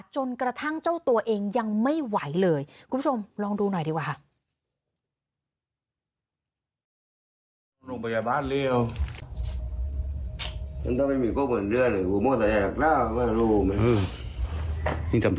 จนกระทั่งเจ้าตัวเองยังไม่ไหวเลยคุณผู้ชมลองดูหน่อยดีกว่าค่ะ